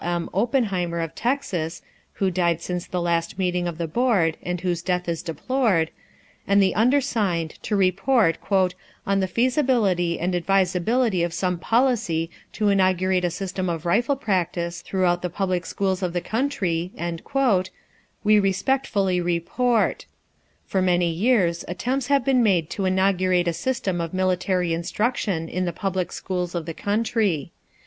M. Oppenheimer, of Texas (who died since the last meeting of the board, and whose death is deplored), and the undersigned to report "on the feasibility and advisability of some policy to inaugurate a system of rifle practice throughout the public schools of the country," we respectfully report: For many years attempts have been made to inaugurate a system of military instruction in the public schools of the country.